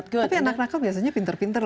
tapi anak anakal biasanya pinter pinter loh